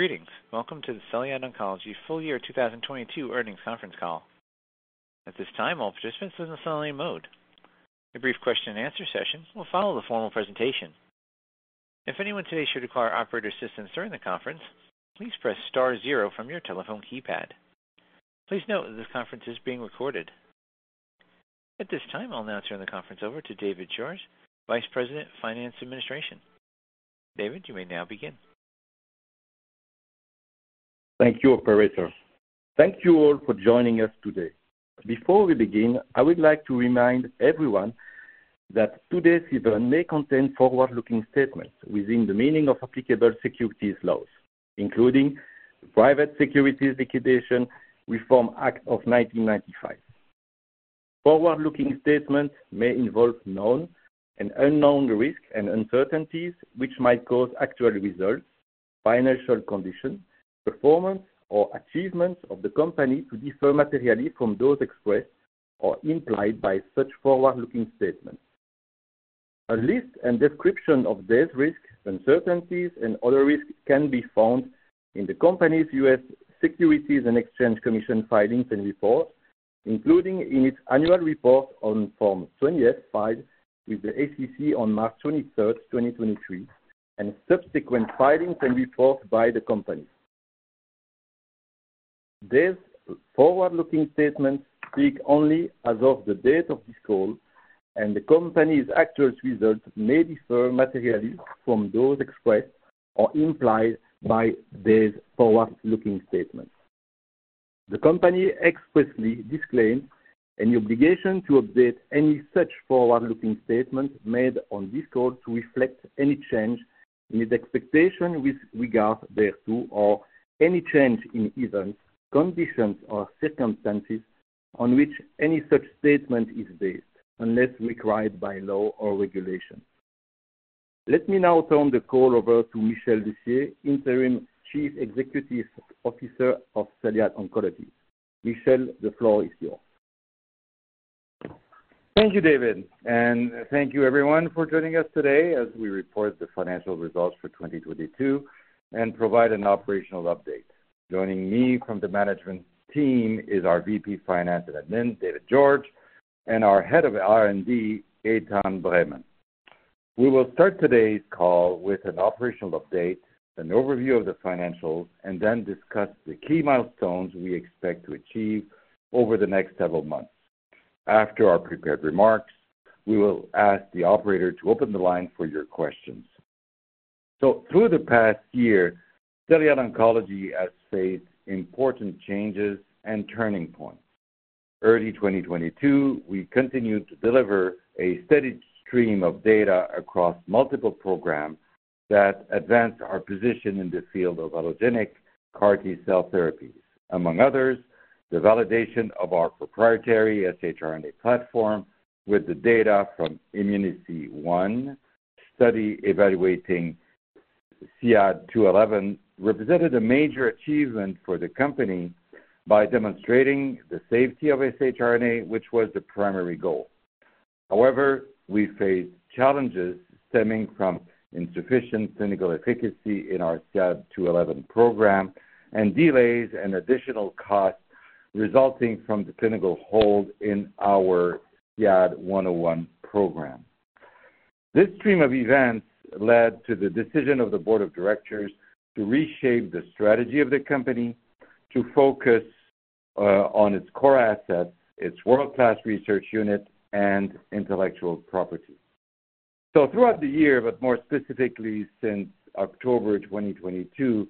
Greetings. Welcome to the Celyad Oncology Full Year 2022 Earnings Conference Call. At this time, all participants are in a listening mode. A brief question and answer session will follow the formal presentation. If anyone today should require operator assistance during the conference, please press star zero from your telephone keypad. Please note that this conference is being recorded. At this time, I'll now turn the conference over to David Georges, Vice President of Finance Administration. David, you may now begin. Thank you, operator. Thank you all for joining us today. Before we begin, I would like to remind everyone that today's event may contain forward-looking statements within the meaning of applicable securities laws, including the Private Securities Litigation Reform Act of 1995. Forward-looking statements may involve known and unknown risks and uncertainties which might cause actual results, financial condition, performance, or achievements of the company to differ materially from those expressed or implied by such forward-looking statements. A list and description of these risks, uncertainties and other risks can be found in the company's US Securities and Exchange Commission filings and reports, including in its annual report on Form 20-F filed with the SEC on 23 March 2023, and subsequent filings and reports by the company. These forward-looking statements speak only as of the date of this call, and the company's actual results may differ materially from those expressed or implied by these forward-looking statements. The company expressly disclaims any obligation to update any such forward-looking statements made on this call to reflect any change in its expectations with regard thereto, or any change in events, conditions, or circumstances on which any such statement is based, unless required by law or regulation. Let me now turn the call over to Michel Lussier, Interim Chief Executive Officer of Celyad Oncology. Michel, the floor is yours. Thank you, David, thank you everyone for joining us today as we report the financial results for 2022 and provide an operational update. Joining me from the management team is our VP Finance and Admin, David Georges, and our Head of R&D, Eytan Breman. We will start today's call with an operational update, an overview of the financials, and then discuss the key milestones we expect to achieve over the next several months. After our prepared remarks, we will ask the operator to open the line for your questions. Through the past year, Celyad Oncology has faced important changes and turning points. Early 2022, we continued to deliver a steady stream of data across multiple programs that advanced our position in the field of allogeneic CAR T-cell therapies. Among others, the validation of our proprietary shRNA platform with the data from IMMUNICY-1 study evaluating CYAD-211 represented a major achievement for the company by demonstrating the safety of shRNA, which was the primary goal. We faced challenges stemming from insufficient clinical efficacy in our CYAD-211 program and delays and additional costs resulting from the clinical hold in our CYAD-101 program. This stream of events led to the decision of the board of directors to reshape the strategy of the company to focus on its core assets, its world-class research unit and intellectual property. Throughout the year, but more specifically since October 2022,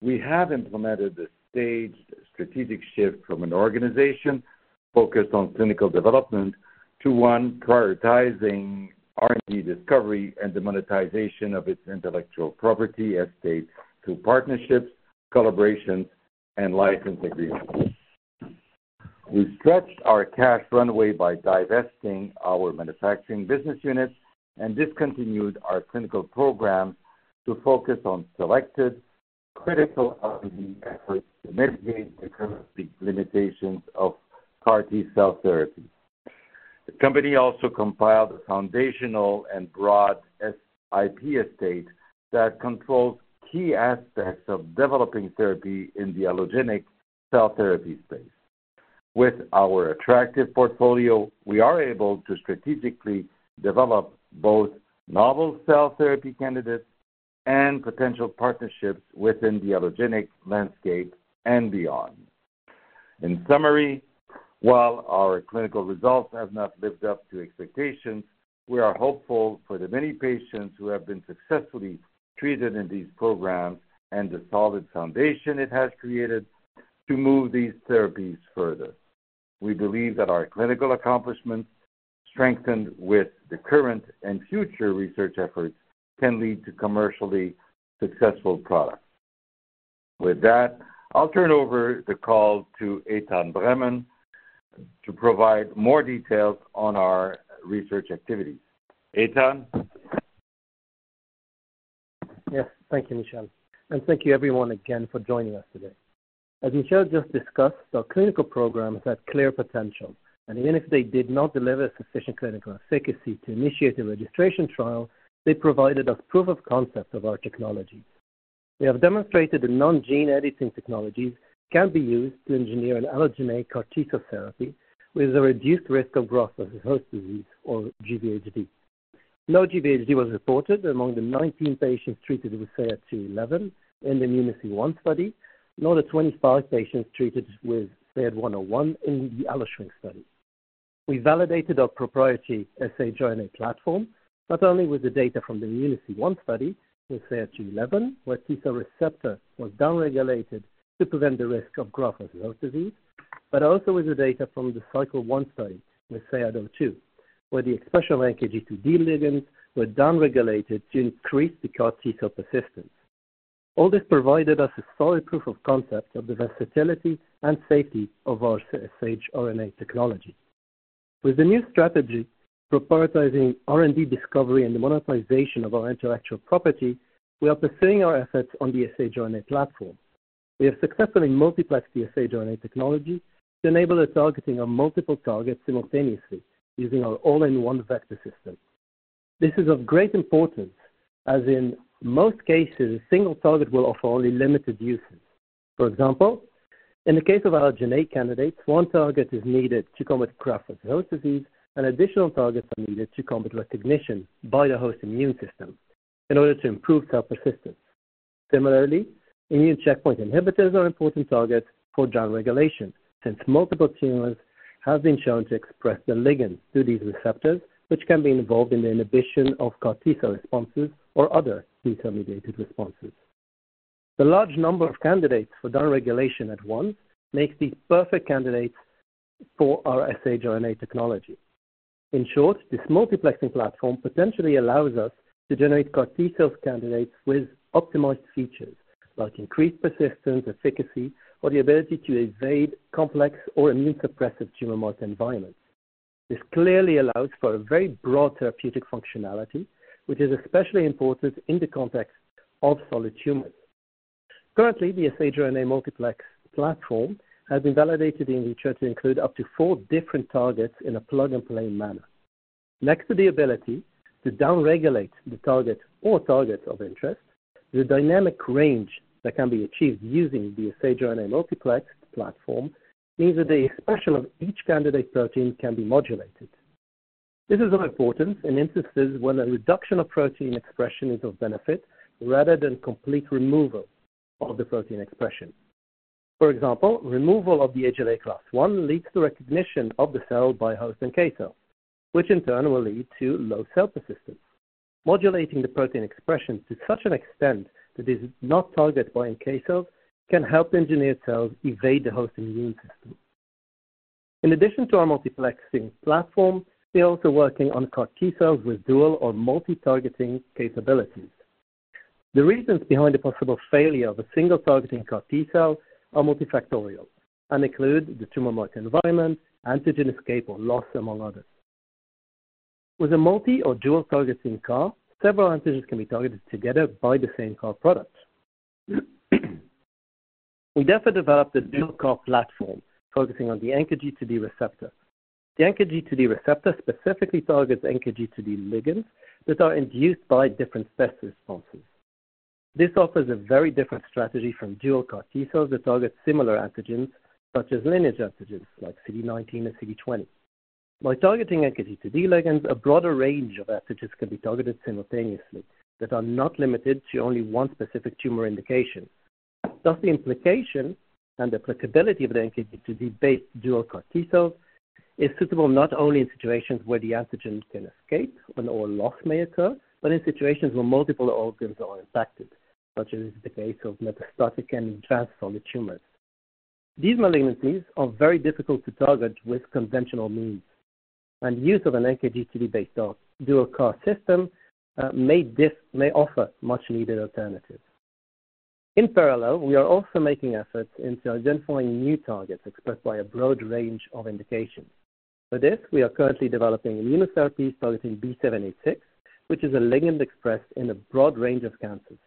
we have implemented a staged strategic shift from an organization focused on clinical development to one prioritizing R&D discovery and the monetization of its intellectual property estate through partnerships, collaborations, and license agreements. We stretched our cash runway by divesting our manufacturing business units and discontinued our clinical programs to focus on selected critical R&D efforts to mitigate the current limitations of CAR T-cell therapy. The company also compiled a foundational and broad IP estate that controls key aspects of developing therapy in the allogeneic cell therapy space. With our attractive portfolio, we are able to strategically develop both novel cell therapy candidates and potential partnerships within the allogeneic landscape and beyond. In summary, while our clinical results have not lived up to expectations, we are hopeful for the many patients who have been successfully treated in these programs and the solid foundation it has created to move these therapies further. We believe that our clinical accomplishments, strengthened with the current and future research efforts, can lead to commercially successful products. With that, I'll turn over the call to Eytan Breman to provide more details on our research activities. Eytan? Yes, thank you, Michel, and thank you everyone again for joining us today. As Michel just discussed, our clinical programs had clear potential, even if they did not deliver sufficient clinical efficacy to initiate a registration trial, they provided us proof of concept of our technology. We have demonstrated the non-gene edited technologies can be used to engineer an allogeneic CAR T-cell therapy with a reduced risk of graft-versus-host disease or GvHD. No GvHD was reported among the 19 patients treated with CYAD-211 in the IMMUNICY-1 study, nor the 25 patients treated with CYAD-101 in the alloSHRINK study. We validated our proprietary shRNA platform not only with the data from the IMMUNICY-1 study with CYAD-211, where T-cell receptor was downregulated to prevent the risk of graft-versus-host disease, but also with the data from the CYCLE-1 study with CYAD-02, where the expression of NKG2D ligands were downregulated to increase the CAR T-cell persistence. All this provided us a solid proof of concept of the versatility and safety of our shRNA technology. With the new strategy prioritizing R&D discovery and the monetization of our intellectual property, we are pursuing our efforts on the shRNA platform. We have successfully multiplexed the shRNA technology to enable the targeting of multiple targets simultaneously using our All-in-One Vector system. This is of great importance as in most cases, single target will offer only limited uses. For example, in the case of allogeneic candidates, one target is needed to combat graft-versus-host disease, and additional targets are needed to combat recognition by the host immune system in order to improve cell persistence. Similarly, immune checkpoint inhibitors are important targets for downregulation since multiple tumors have been shown to express the ligand to these receptors, which can be involved in the inhibition of CAR T-cell responses or other T-cell-mediated responses. The large number of candidates for downregulation at once makes these perfect candidates for our shRNA technology. In short, this multiplexing platform potentially allows us to generate CAR T-cell candidates with optimized features like increased persistence, efficacy, or the ability to evade complex or immune suppressive tumor microenvironments. This clearly allows for a very broad therapeutic functionality, which is especially important in the context of solid tumors. Currently, the shRNA multiplex platform has been validated in vitro to include up to four different targets in a plug-and-play manner. Next to the ability to downregulate the target or targets of interest, the dynamic range that can be achieved using the shRNA multiplex platform means that the expression of each candidate protein can be modulated. This is of importance in instances when a reduction of protein expression is of benefit rather than complete removal of the protein expression. For example, removal of the HLA class I leads to recognition of the cell by host NK cells, which in turn will lead to low cell persistence. Modulating the protein expression to such an extent that is not targeted by NK cells can help engineered cells evade the host immune system. In addition to our multiplexing platform, we are also working on CAR T-cells with dual or multi-targeting capabilities. The reasons behind the possible failure of a single targeting CAR T-cell are multifactorial and include the tumor microenvironment, antigen escape or loss, among others. With a multi or dual targeting CAR, several antigens can be targeted together by the same CAR product. We therefore developed a dual CAR platform focusing on the NKG2D receptor. The NKG2D receptor specifically targets NKG2D ligands that are induced by different stress responses. This offers a very different strategy from dual CAR T-cells that target similar antigens such as lineage antigens like CD19 and CD20. By targeting NKG2D ligands, a broader range of antigens can be targeted simultaneously that are not limited to only one specific tumor indication. Thus, the implication and applicability of the NKG2D based dual CAR T-cells is suitable not only in situations where the antigen can escape when all loss may occur, but in situations where multiple organs are impacted, such as the case of metastatic and transformed tumors. These malignancies are very difficult to target with conventional means. Use of an NKG2D based dual CAR system may offer much needed alternatives. In parallel, we are also making efforts into identifying new targets expressed by a broad range of indications. We are currently developing immunotherapy targeting B7-H6, which is a ligand expressed in a broad range of cancers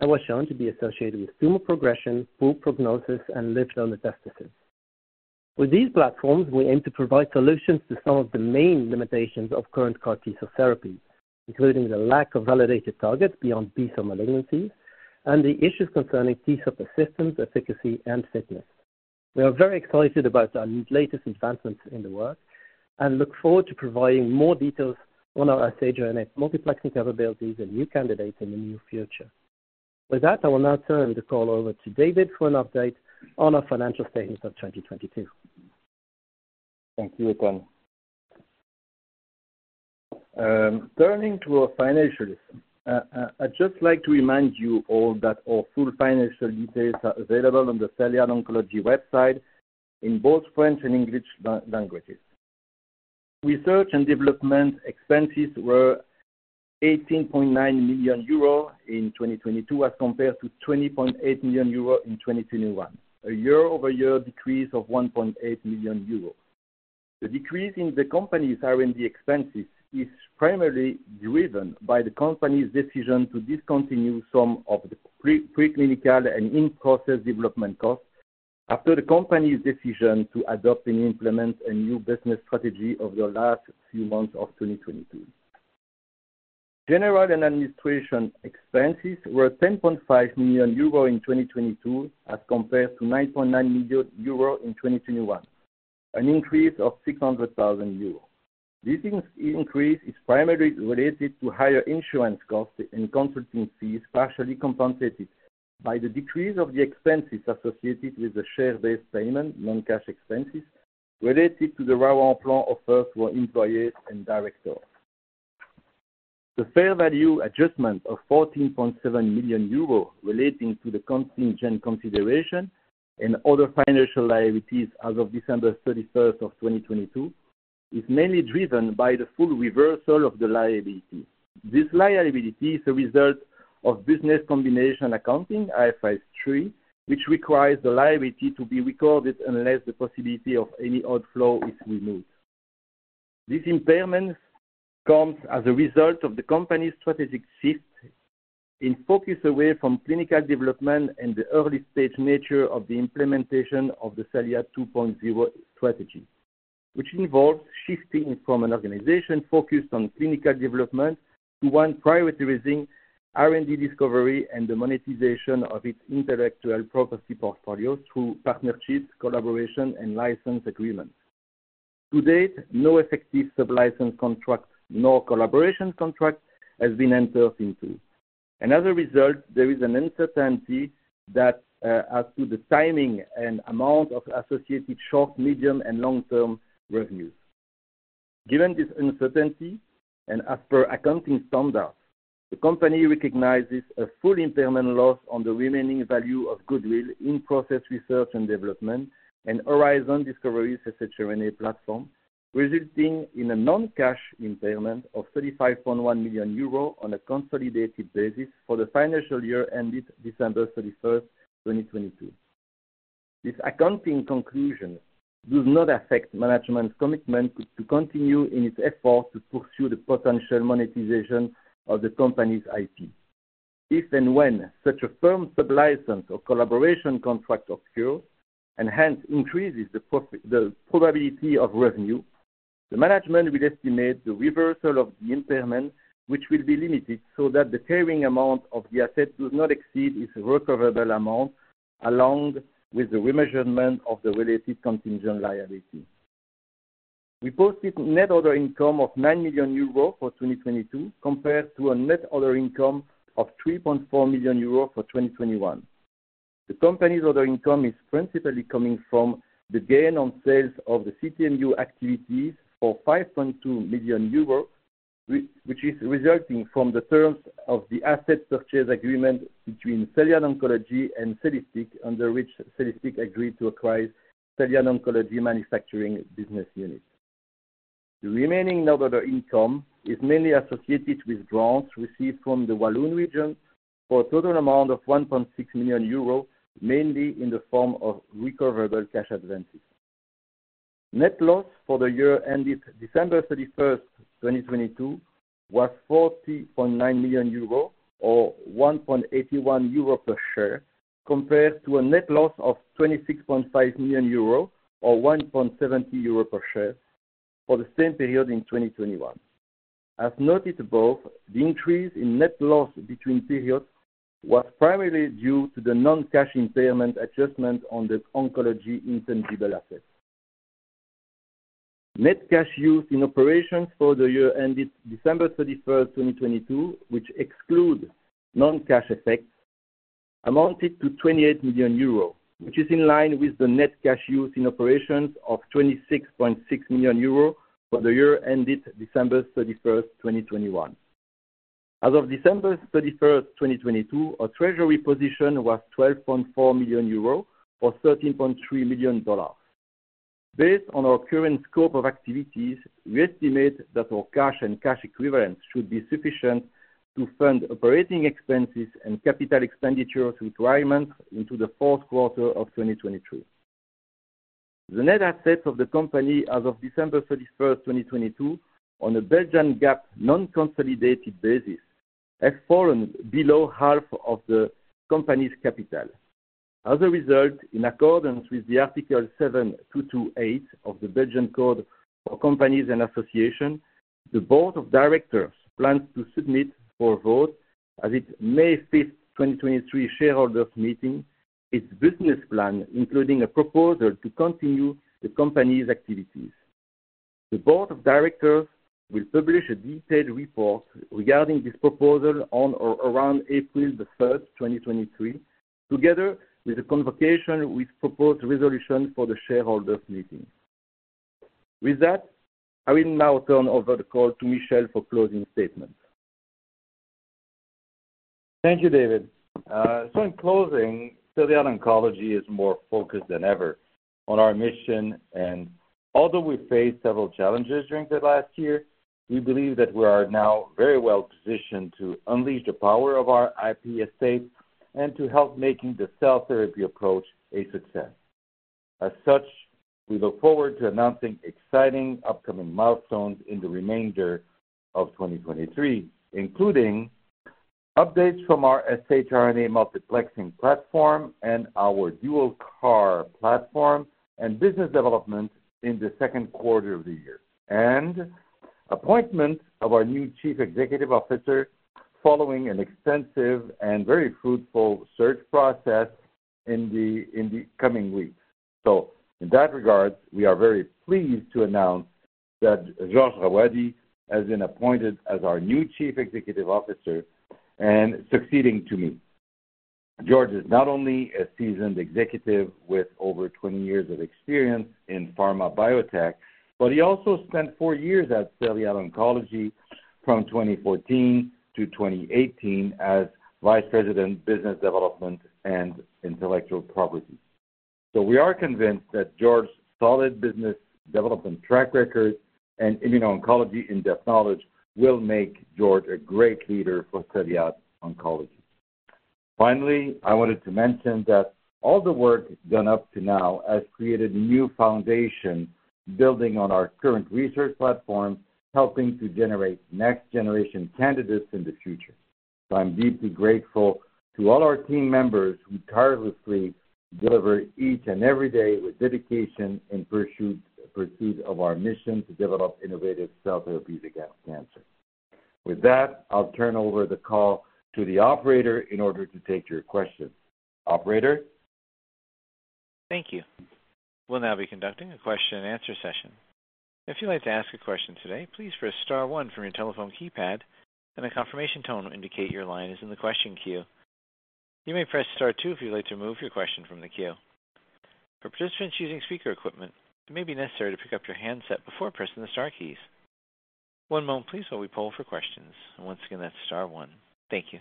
and was shown to be associated with tumor progression, poor prognosis, and lymph node metastasis. With these platforms, we aim to provide solutions to some of the main limitations of current CAR T-cell therapies, including the lack of validated targets beyond B cell malignancies and the issues concerning T-cell persistence, efficacy, and fitness. We are very excited about our latest advancements in the work and look forward to providing more details on our shRNA multiplexing capabilities and new candidates in the near future. I will now turn the call over to David for an update on our financial statements of 2022. Thank you, Eytan. Turning to our financials. I'd just like to remind you all that our full financial details are available on the Celyad Oncology website in both French and English languages. Research and development expenses were 18.9 million euro in 2022 as compared to 20.8 million euro in 2021. A year-over-year decrease of 1.8 million euro. The decrease in the company's R&D expenses is primarily driven by the company's decision to discontinue some of the preclinical and in-process development costs after the company's decision to adopt and implement a new business strategy over the last few months of 2022. General and administration expenses were 10.5 million euro in 2022, as compared to 9.9 million euro in 2021, an increase of 600,000 euro. This increase is primarily related to higher insurance costs and consulting fees, partially compensated by the decrease of the expenses associated with the share-based payment non-cash expenses related to the raw employ offer for employees and directors. The fair value adjustment of 14.7 million euros relating to the contingent consideration and other financial liabilities as of 31 December 2022 is mainly driven by the full reversal of the liability. This liability is a result of business combination accounting, IFRS 3, which requires the liability to be recorded unless the possibility of any outflow is removed. This impairment comes as a result of the company's strategic shift in focus away from clinical development and the early-stage nature of the implementation of the Celyad 2.0 strategy, which involves shifting from an organization focused on clinical development to one prioritizing R&D discovery and the monetization of its intellectual property portfolio through partnerships, collaboration, and license agreements. To date, no effective sublicense contract, nor collaboration contract has been entered into. As a result, there is an uncertainty that as to the timing and amount of associated short, medium, and long-term revenues. Given this uncertainty, and as per accounting standards, the company recognizes a full impairment loss on the remaining value of goodwill in process research and development and Horizon Discovery's shRNA platform, resulting in a non-cash impairment of 35.1 million euro on a consolidated basis for the financial year ended 31 December 2022. This accounting conclusion does not affect management's commitment to continue in its efforts to pursue the potential monetization of the company's IP. If and when such a firm sublicense or collaboration contract occurs and hence increases the probability of revenue, the management will estimate the reversal of the impairment, which will be limited, so that the carrying amount of the asset does not exceed its recoverable amount, along with the remeasurement of the related contingent liability. We posted net other income of 9 million euros for 2022, compared to a net other income of 3.4 million euros for 2021. The company's other income is principally coming from the gain on sales of the CTMU activities for 5.2 million euros, which is resulting from the terms of the asset purchase agreement between Celyad Oncology and Cellistic, under which Cellistic agreed to acquire Celyad Oncology manufacturing business unit. The remaining net other income is mainly associated with grants received from the Walloon region for a total amount of 1.6 million euros, mainly in the form of recoverable cash advances. Net loss for the year ended 31 December 2022 was 40.9 million euro, or 1.81 euro per share, compared to a net loss of 26.5 million euro or 1.70 euro per share for the same period in 2021. As noted above, the increase in net loss between periods was primarily due to the non-cash impairment adjustment on the oncology intangible assets. Net cash used in operations for the year ended December 2022, which excludes non-cash effects, amounted to 28 million euros, which is in line with the net cash used in operations of 26.6 million euros for the year ended 31 December 2021. As of 31 December 2022, our treasury position was 12.4 million euros or $13.3 million. Based on our current scope of activities, we estimate that our cash and cash equivalents should be sufficient to fund operating expenses and capital expenditures requirements into the fourth quarter of 2023. The net assets of the company as of 31 December 2022 on a Belgian GAAP non-consolidated basis, have fallen below half of the company's capital. As a result, in accordance with the Article 7:228 of the Belgian Code of Companies and Associations, the board of directors plans to submit for vote at its 5 May 2023 shareholders' meeting, its business plan, including a proposal to continue the company's activities. The board of directors will publish a detailed report regarding this proposal on or around 3 April 2023, together with a convocation with proposed resolution for the shareholders' meeting. With that, I will now turn over the call to Michel for closing statements. Thank you, David. In closing, Celyad Oncology is more focused than ever on our mission. Although we faced several challenges during the last year, we believe that we are now very well positioned to unleash the power of our IP estate. And to help making the cell therapy approach a success. As such, we look forward to announcing exciting upcoming milestones in the remainder of 2023, including updates from our shRNA multiplexing platform and our dual CAR platform and business development in the second quarter of the year. Appointment of our new Chief Executive Officer following an extensive and very fruitful search process in the coming weeks. In that regard, we are very pleased to announce that Georges Rawadi has been appointed as our new Chief Executive Officer and succeeding to me. George is not only a seasoned executive with over 20 years of experience in pharma biotech, but he also spent four years at Celyad Oncology from 2014 to 2018 as vice president, business development and intellectual property. We are convinced that George's solid business development track record and immuno-oncology in-depth knowledge will make George a great leader for Celyad Oncology. Finally, I wanted to mention that all the work done up to now has created a new foundation, building on our current research platform, helping to generate next generation candidates in the future. I'm deeply grateful to all our team members who tirelessly deliver each and every day with dedication in pursuit of our mission to develop innovative cell therapies against cancer. With that, I'll turn over the call to the operator in order to take your questions. Operator? Thank you. We'll now be conducting a question and answer session. If you'd like to ask a question today, please press star one from your telephone keypad and a confirmation tone will indicate your line is in the question queue. You may press star two if you'd like to remove your question from the queue. For participants using speaker equipment, it may be necessary to pick up your handset before pressing the star keys. One moment please while we poll for questions. Once again, that's star one. Thank you.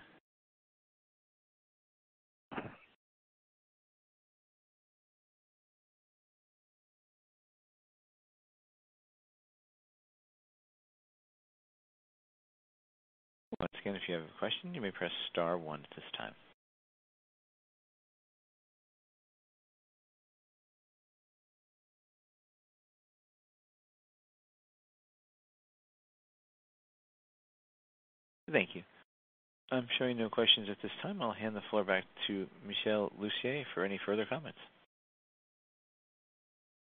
Once again, if you have a question, you may press star one at this time. Thank you. I'm showing no questions at this time. I'll hand the floor back to Michel Lussier for any further comments.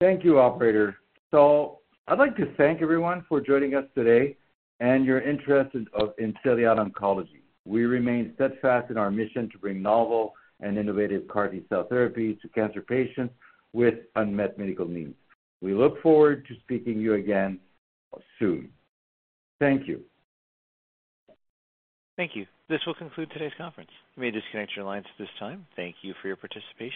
Thank you, operator. I'd like to thank everyone for joining us today and your interest in, of Celyad Oncology. We remain steadfast in our mission to bring novel and innovative CAR T-cell therapy to cancer patients with unmet medical needs. We look forward to speaking to you again soon. Thank you. Thank you. This will conclude today's conference. You may disconnect your lines at this time. Thank you for your participation.